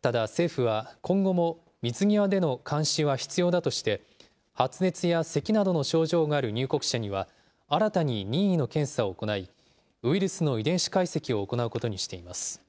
ただ、政府は今後も水際での監視は必要だとして、発熱やせきなどの症状がある入国者には、新たに任意の検査を行い、ウイルスの遺伝子解析を行うことにしています。